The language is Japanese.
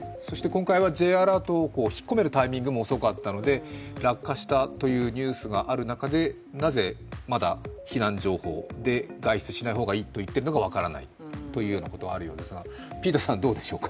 今回はＪアラートを引っ込めるタイミングも遅かったので、落下したというニュースがある中で、なぜまだ避難情報で外出しない方がいいと言っているのが分からないということがあるようですが。